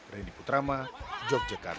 reni putrama yogyakarta